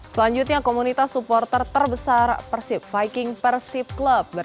selanjutnya komunitas supporter terbesar persib viking persib club